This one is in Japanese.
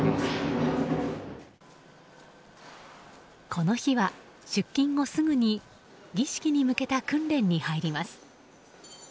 この日は出勤後すぐに儀式に向けた訓練に入ります。